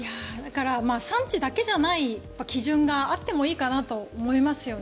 産地だけじゃない基準があってもいいかなと思いますよね